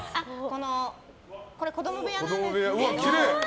これは子供部屋なんですけど。